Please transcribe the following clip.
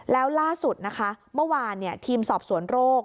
แล้วล่าสุดนะคะเมื่อวานทีมสอบสวนโรค